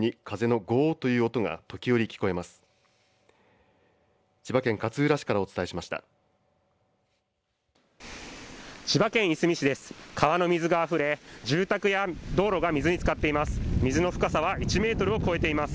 川の水があふれ住宅や道路が水につかっています。